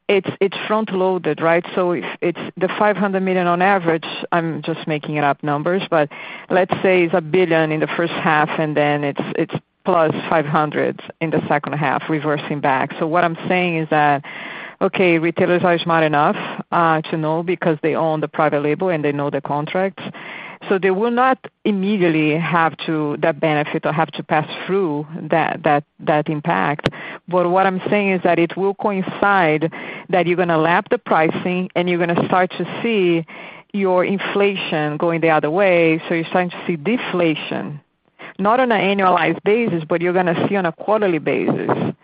it's front-loaded, right? If it's the $500 million on average, I'm just making it up numbers, but let's say it's $1 billion in the first half, and then it's +$500 in the second half, reversing back. What I'm saying is that, okay, retailers are smart enough to know because they own the private label and they know the contracts. They will not immediately have that benefit or have to pass through that impact. What I'm saying is that it will coincide that you're gonna lap the pricing and you're gonna start to see your inflation going the other way. You're starting to see deflation, not on an annualized basis, but you're gonna see on a quarterly basis.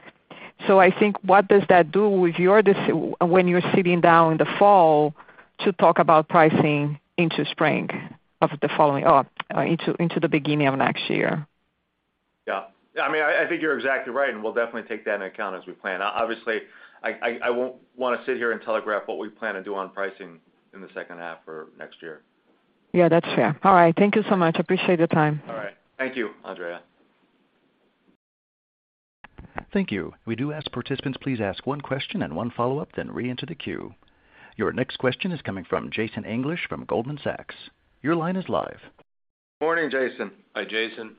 I think what does that do with your When you're sitting down in the fall to talk about pricing into spring of the following, or into the beginning of next year? Yeah. I mean, I think you're exactly right, and we'll definitely take that into account as we plan. Obviously, I won't wanna sit here and telegraph what we plan to do on pricing in the second half or next year. Yeah, that's fair. All right. Thank you so much. Appreciate your time. All right. Thank you, Andrea. Thank you. We do ask participants please ask 1 question and 1 follow-up, then reenter the queue. Your next question is coming from Jason English from Goldman Sachs. Your line is live. Morning, Jason. Hi, Jason.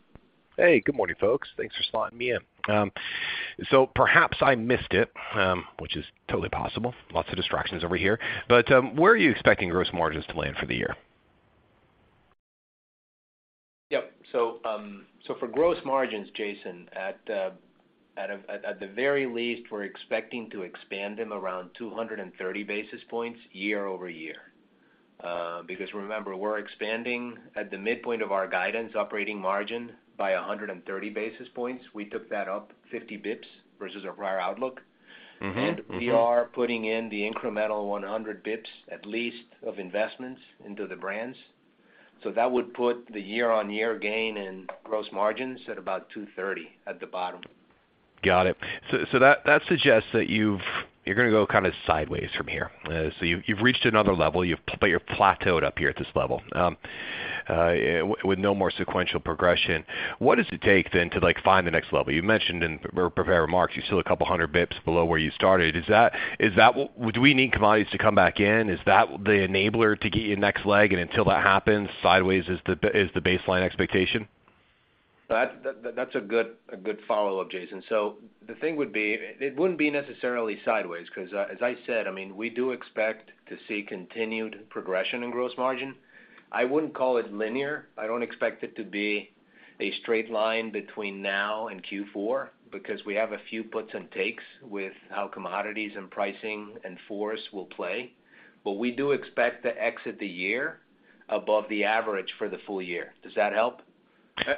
Hey, good morning, folks. Thanks for slotting me in. perhaps I missed it, which is totally possible. Lots of distractions over here. where are you expecting gross margins to land for the year? Yep. For gross margins, Jason, at the very least, we're expecting to expand them around 230 basis points year-over-year. Because remember, we're expanding at the midpoint of our guidance operating margin by 130 basis points. We took that up 50 bps versus our prior outlook. Mm-hmm. Mm-hmm. We are putting in the incremental 100 basis points at least of investments into the brands. That would put the year-on-year gain in gross margins at about 230 basis points at the bottom. Got it. That suggests that you're gonna go kinda sideways from here. You've reached another level. but you're plateaued up here at this level, with no more sequential progression. What does it take then to, like, find the next level? You mentioned in prepared remarks you're still 200 bps below where you started. Is that, do we need commodities to come back in? Is that the enabler to get you next leg, and until that happens, sideways is the baseline expectation? That's a good follow-up, Jason. The thing would be it wouldn't be necessarily sideways, 'cause, as I said, I mean, we do expect to see continued progression in gross margin. I wouldn't call it linear. I don't expect it to be a straight line between now and Q4 because we have a few puts and takes with how commodities and pricing and FORCE will play. We do expect to exit the year above the average for the full year. Does that help?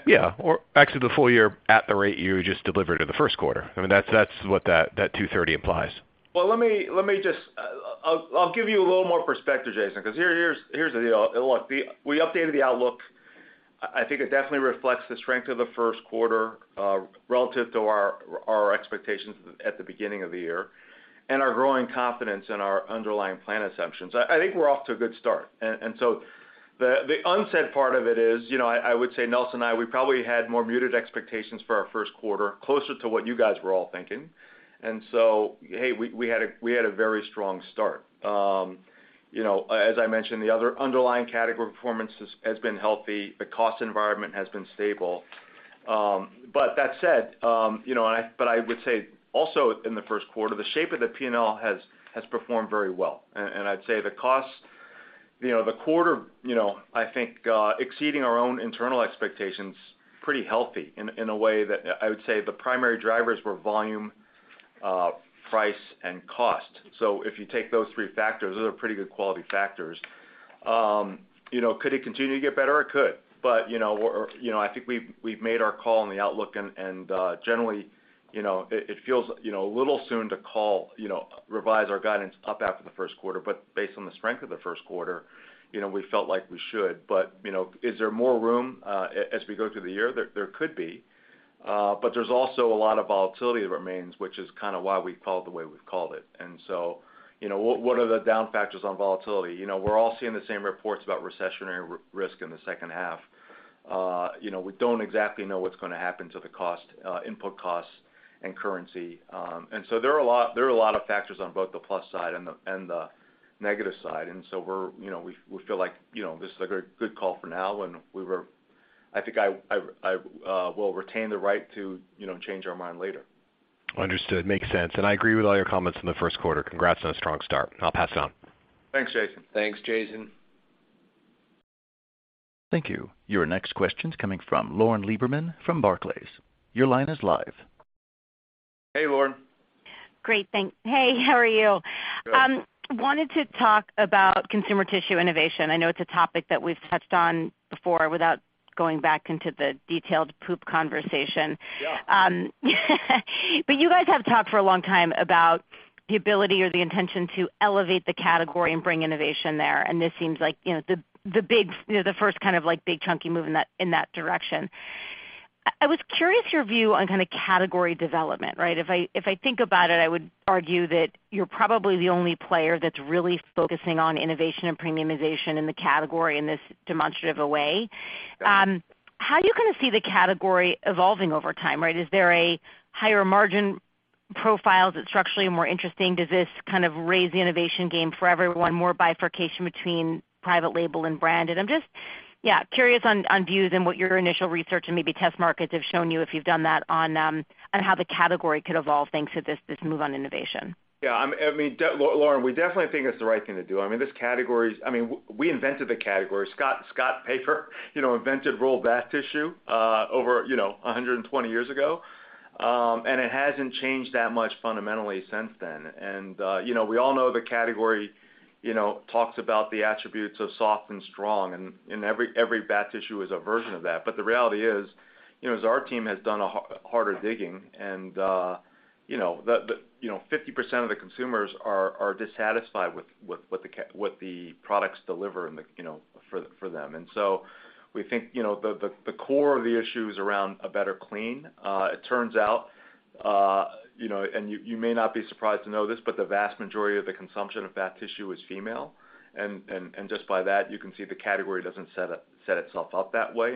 Yeah. Or exit the full year at the rate you just delivered in Q1. I mean, that's what that 230 implies. Well, let me just. I'll give you a little more perspective, Jason, 'cause here's the deal. Look, we updated the outlook. I think it definitely reflects the strength of the first quarter, relative to our expectations at the beginning of the year and our growing confidence in our underlying plan assumptions. I think we're off to a good start. The unsaid part of it is I would say Nelson and I, we probably had more muted expectations for our first quarter, closer to what you guys were all thinking. Hey, we had a very strong start. You know, as I mentioned, the other underlying category performance has been healthy. The cost environment has been stable. That said I would say also in the first quarter, the shape of the P&L has performed very well. I'd say the cost the quarter I think, exceeding our own internal expectations, pretty healthy in a way that I would say the primary drivers were volume, price, and cost. If you take those three factors, those are pretty good quality factors. You know, could it continue to get better? It could. I think we've made our call on the outlook and generally it feels a little soon to call revise our guidance up after the first quarter. Based on the strength of the first quarter we felt like we should. You know, is there more room as we go through the year? There could be, but there's also a lot of volatility that remains, which is kinda why we called it the way we've called it. You know, what are the down factors on volatility? You know, we're all seeing the same reports about recessionary risk in the second half. You know, we don't exactly know what's gonna happen to the cost, input costs and currency. There are a lot of factors on both the plus side and the negative side. we're we feel like this is a good call for now, and we were I think I will retain the right to change our mind later. Understood. Makes sense. I agree with all your comments in the first quarter. Congrats on a strong start. I'll pass it on. Thanks, Jason. Thanks, Jason. Thank you. Your next question's coming from Lauren Lieberman from Barclays. Your line is live. Hey, Lauren. Great, hey, how are you? Good. wanted to talk about consumer tissue innovation. I know it's a topic that we've touched on before without going back into the detailed poop conversation. Yeah. You guys have talked for a long time about the ability or the intention to elevate the category and bring innovation there, and this seems like the big the first kind of like big chunky move in that, in that direction. I was curious your view on kind of category development, right? If I, if I think about it, I would argue that you're probably the only player that's really focusing on innovation and premiumization in the category in this demonstrative a way. How do you kind of see the category evolving over time, right? Is there a higher margin profile that's structurally more interesting? Does this kind of raise the innovation game for everyone, more bifurcation between private label and brand? I'm just, yeah, curious on views and what your initial research and maybe test markets have shown you, if you've done that, on how the category could evolve thanks to this move on innovation? I mean, Lauren, we definitely think it's the right thing to do. I mean, this category, I mean, we invented the category. Scott Paper invented rolled bath tissue, over 120 years ago, and it hasn't changed that much fundamentally since then. You know, we all know the category talks about the attributes of soft and strong, and every bath tissue is a version of that. The reality is as our team has done a harder digging and the 50% of the consumers are dissatisfied with what the products deliver in the for them. We think the, the core of the issue is around a better clean. It turns out you may not be surprised to know this, but the vast majority of the consumption of bath tissue is female. Just by that, you can see the category doesn't set itself up that way.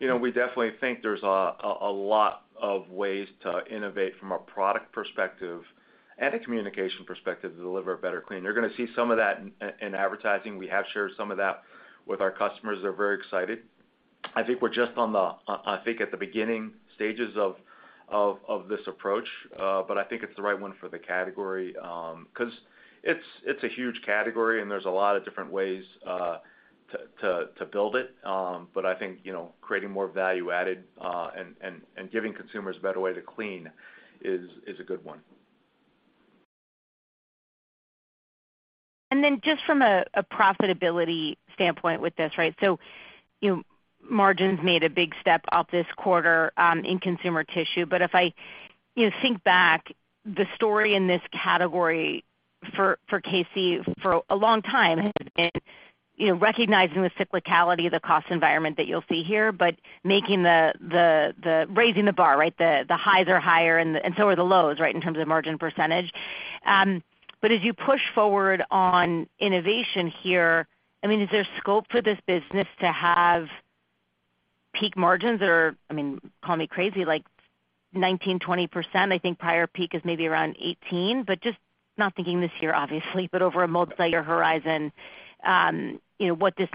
You know, we definitely think there's a lot of ways to innovate from a product perspective and a communication perspective to deliver a better clean. You're gonna see some of that in advertising. We have shared some of that with our customers. They're very excited. I think we're just at the beginning stages of this approach, but I think it's the right one for the category 'cause it's a huge category and there's a lot of different ways to build it. I think creating more value added, and giving consumers a better way to clean is a good one. Just from a profitability standpoint with this, right? You know, margins made a big step up this quarter in consumer tissue. If i think back, the story in this category for KC for a long time has been recognizing the cyclicality of the cost environment that you'll see here, but making the-- raising the bar, right? The highs are higher and so are the lows, right, in terms of margin %. As you push forward on innovation here, I mean, is there scope for this business to have peak margins that are, I mean, call me crazy, like 19%-20%? I think prior peak is maybe around 18%, but just not thinking this year, obviously, but over a multiyear horizon what this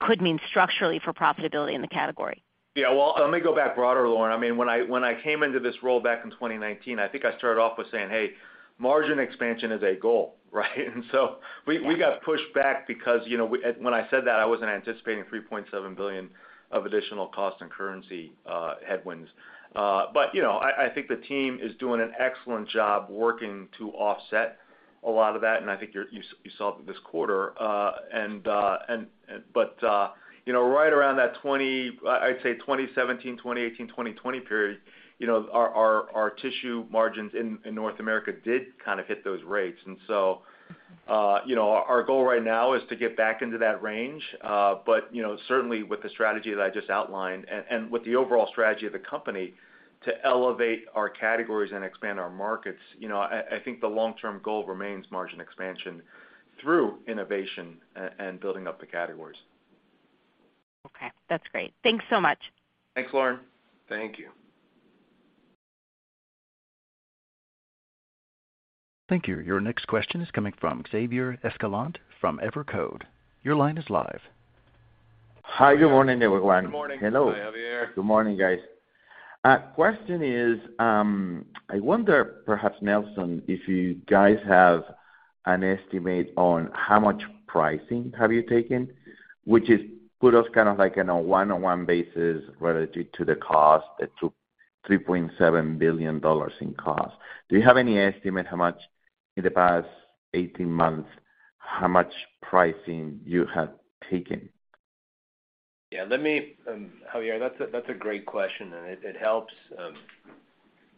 could mean structurally for profitability in the category. Yeah. Well, let me go back broader, Lauren. I mean, when I, when I came into this role back in 2019, I think I started off with saying, "Hey, margin expansion is a goal," right? We, we got pushed back because when I said that, I wasn't anticipating $3.7 billion of additional cost and currency headwinds. You know, I think the team is doing an excellent job working to offset a lot of that, and I think you saw it this quarter. You know, right around that I'd say 2017, 2018, 2020 period our tissue margins in North America did kind of hit those rates. You know, our goal right now is to get back into that range. you know, certainly with the strategy that I just outlined and with the overall strategy of the company to elevate our categories and expand our markets I think the long-term goal remains margin expansion through innovation and building up the categories. Okay, that's great. Thanks so much. Thanks, Lauren. Thank you. Thank you. Your next question is coming from Javier Escalante from Evercore. Your line is live. Hi, good morning, everyone. Good morning. Hello. Hi, Javier. Good morning, guys. Question is, I wonder perhaps, Nelson, if you guys have an estimate on how much pricing have you taken, which is put us kind of like on a one-on-one basis relative to the cost, the $3.7 billion in cost. Do you have any estimate how much in the past 18 months, how much pricing you have taken? Yeah, let me Javier, that's a, that's a great question, and it helps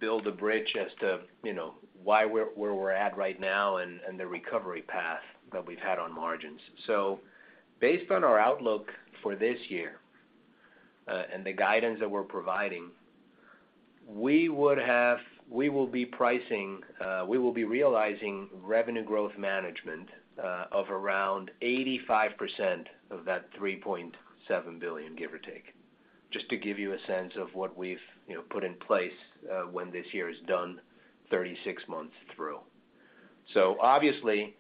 build a bridge as to why we're where we're at right now and the recovery path that we've had on margins. Based on our outlook for this year, and the guidance that we're providing, we will be pricing, we will be realizing revenue growth management of around 85% of that $3.7 billion, give or take, just to give you a sense of what we've put in place when this year is done 36 months through. Obviously,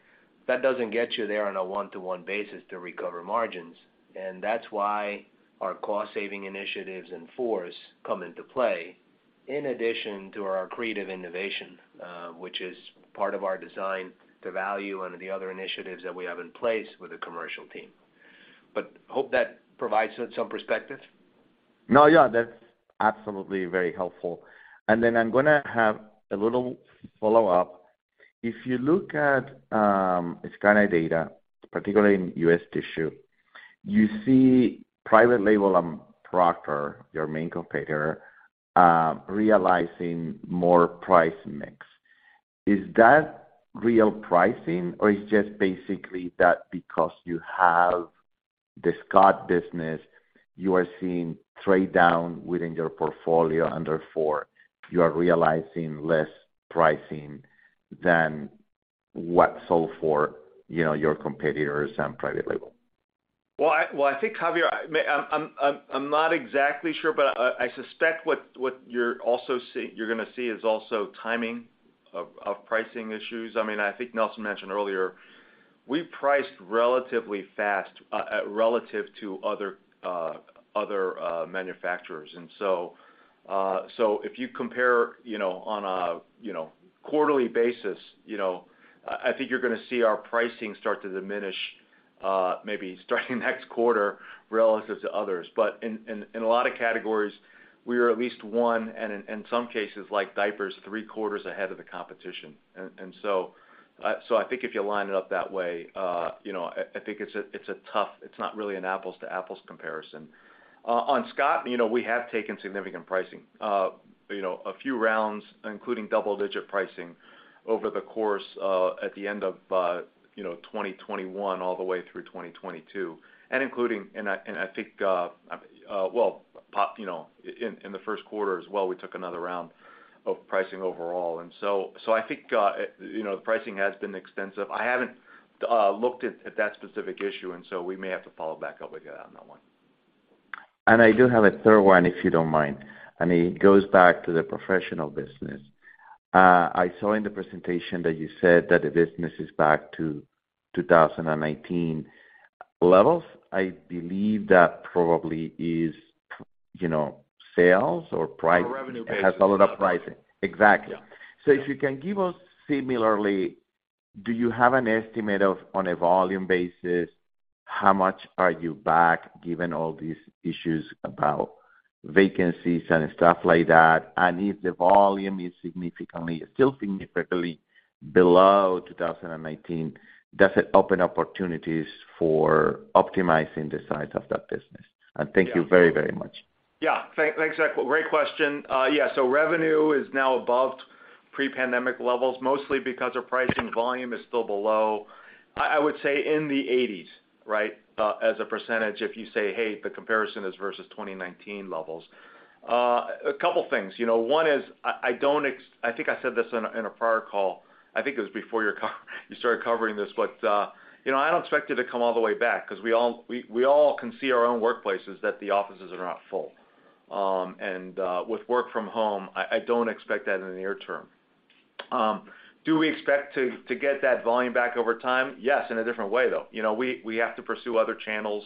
that doesn't get you there on a one-to-one basis to recover margins, and that's why our cost saving initiatives and FORCE come into play, in addition to our creative innovation, which is part of our Design to Value under the other initiatives that we have in place with the commercial team. Hope that provides some perspective. No, yeah, that's absolutely very helpful. I'm going to have a little follow-up. If you look at scanning data, particularly in U.S. tissue, you see private label and Procter, your main competitor, realizing more price mix. Is that real pricing, or it's just basically that because you have the Scott business, you are seeing trade-down within your portfolio under 4, you are realizing less pricing than what sold for your competitors and private label? Well, I think, Javier, I'm not exactly sure, but I suspect what you're also gonna see is also timing of pricing issues. I mean, I think Nelson mentioned earlier, we priced relatively fast relative to other manufacturers. So if you compare on a quarterly basis I think you're gonna see our pricing start to diminish, maybe starting next quarter relative to others. In a lot of categories, we are at least one, and in some cases, like diapers, three quarters ahead of the competition. So I think if you line it up that way I think it's a tough. It's not really an apples to apples comparison. On Scott we have taken significant pricing a few rounds, including double-digit pricing over the course of at the end of 2021 all the way through 2022. I think in the first quarter as well, we took another round of pricing overall. I think the pricing has been extensive. I haven't looked at that specific issue, and so we may have to follow back up with you on that one. I do have a third one, if you don't mind, and it goes back to the Professional business. I saw in the presentation that you said that the business is back to 2019 levels. I believe that probably is sales or price-. On a revenue basis. It has a lot of pricing. Exactly. Yeah. If you can give us similarly, do you have an estimate of, on a volume basis, how much are you back given all these issues about vacancies and stuff like that? If the volume is significantly, still significantly below 2019, does it open opportunities for optimizing the size of that business? Thank you very, very much. Yeah. Thanks, Javier. Great question. Yeah, revenue is now above pre-pandemic levels, mostly because our pricing volume is still below, I would say in the 80s, right, as a percentage, if you say, hey, the comparison is versus 2019 levels. A couple things. You know, one is I don't think I said this in a prior call. I think it was before you started covering this. You know, I don't expect it to come all the way back 'cause we all can see our own workplaces that the offices are not full. With work from home, I don't expect that in the near term. Do we expect to get that volume back over time? Yes, in a different way, though. You know, we have to pursue other channels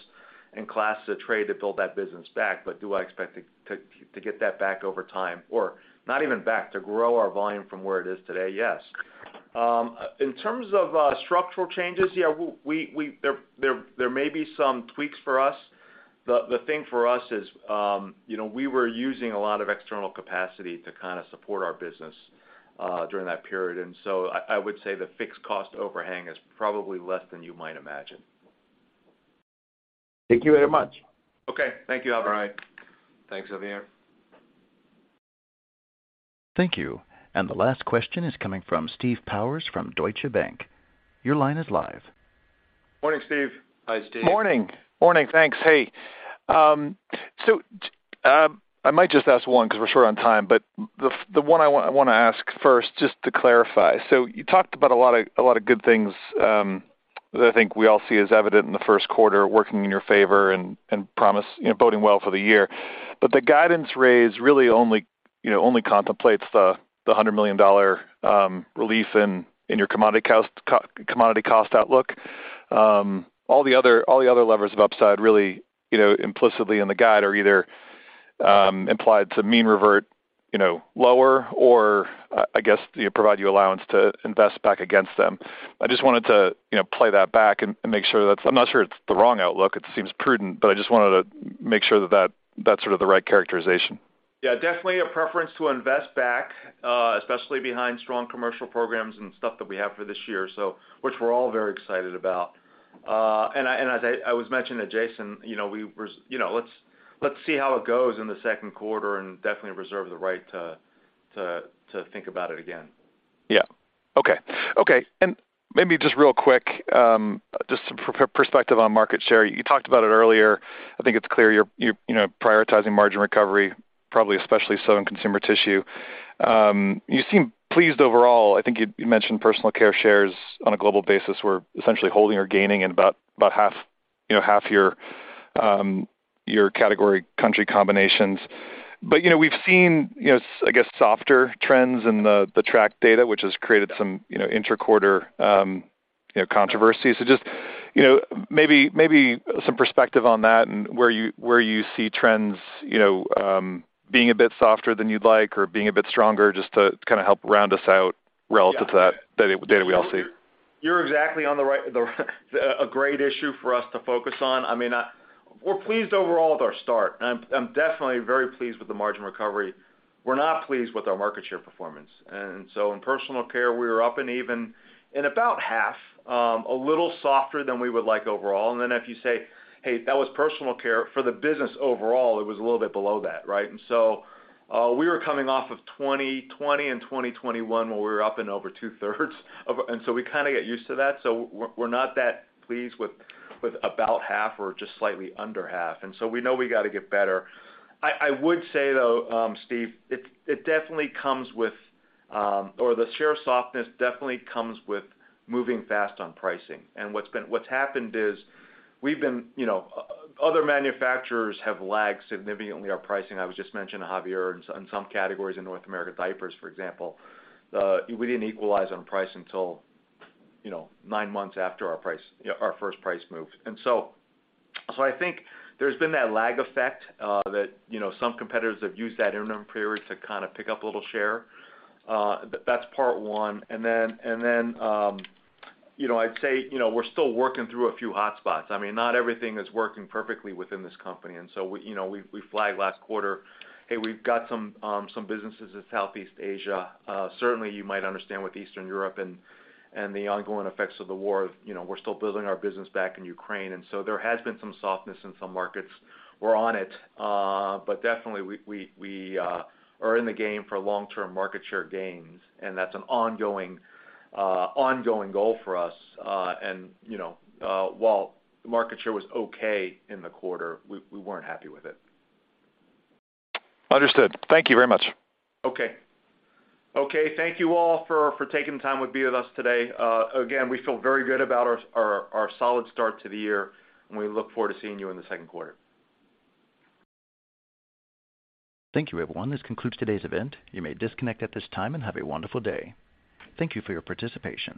and classes of trade to build that business back. Do I expect to get that back over time or not even back, to grow our volume from where it is today? Yes. In terms of structural changes, yeah, there may be some tweaks for us. The thing for us is we were using a lot of external capacity to kinda support our business during that period. I would say the fixed cost overhang is probably less than you might imagine. Thank you very much. Okay. Thank you, Alvaro. All right. Thanks, Javier. Thank you. The last question is coming from Steve Powers from Deutsche Bank. Your line is live. Morning, Steve. Hi, Steve. Morning. Morning. Thanks. Hey, I might just ask one 'cause we're short on time. The one I wanna ask first, just to clarify. You talked about a lot of good things that I think we all see as evident in the first quarter working in your favor and promise boding well for the year. The guidance raise really only only contemplates the $100 million relief in your commodity cost outlook. All the other levers of upside really implicitly in the guide are either implied to mean revert lower or, I guess provide you allowance to invest back against them. I just wanted to play that back and make sure I'm not sure it's the wrong outlook, it seems prudent, but I just wanted to make sure that's sort of the right characterization. Yeah, definitely a preference to invest back, especially behind strong commercial programs and stuff that we have for this year, so which we're all very excited about. As I was mentioning to Jason we were let's see how it goes in the second quarter and definitely reserve the right to think about it again. Yeah. Okay. Okay, maybe just real quick, just some perspective on market share. You talked about it earlier. I think it's clear you're prioritizing margin recovery, probably especially so in consumer tissue. You seem pleased overall. I think you mentioned personal care shares on a global basis were essentially holding or gaining in about half half your category country combinations. You know, we've seen I guess, softer trends in the track data, which has created some intra-quarter controversy. just maybe some perspective on that and where you see trends being a bit softer than you'd like or being a bit stronger, just to kinda help round us out relative to that data we all see. You're exactly on the right. A great issue for us to focus on. I mean, we're pleased overall with our start, and I'm definitely very pleased with the margin recovery. We're not pleased with our market share performance. In personal care, we were up and even in about 1/2, a little softer than we would like overall. If you say, "Hey, that was personal care," for the business overall, it was a little bit below that, right? We were coming off of 2020 and 2021, where we were up and over 2/3. We kinda get used to that. We're not that pleased with about 1/2 or just slightly under 1/2, we know we gotta get better. I would say, though, Steve, it definitely comes with, or the share softness definitely comes with moving fast on pricing. What's happened is we've been other manufacturers have lagged significantly our pricing. I was just mentioning to Javier in some categories in North America, diapers, for example, we didn't equalize on price until 9 months after our price, our first price moved. I think there's been that lag effect, that some competitors have used that interim period to kinda pick up a little share. That's part one. then I'd say we're still working through a few hotspots. I mean, not everything is working perfectly within this company. You know, we flagged last quarter, hey, we've got some businesses in Southeast Asia. Certainly, you might understand with Eastern Europe and the ongoing effects of the war we're still building our business back in Ukraine, and so there has been some softness in some markets. We're on it, but definitely we are in the game for long-term market share gains, and that's an ongoing goal for us. You know, while the market share was okay in the quarter, we weren't happy with it. Understood. Thank you very much. Okay. Okay, thank you all for taking the time be with us today. Again, we feel very good about our solid start to the year. We look forward to seeing you in the second quarter. Thank you, everyone. This concludes today's event. You may disconnect at this time, and have a wonderful day. Thank you for your participation.